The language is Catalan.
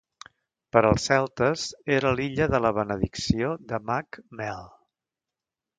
Per als celtes, era l'Illa de la Benedicció de Mag Mell.